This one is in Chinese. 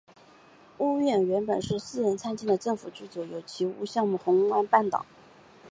屋苑原本是私人参建的政府居者有其屋项目红湾半岛。